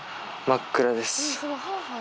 真っ暗です